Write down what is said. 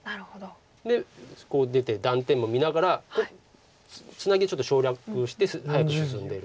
でこう出て断点も見ながらツナギをちょっと省略して早く進んでる。